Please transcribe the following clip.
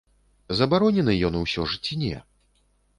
Забаронены ён усё ж ці не?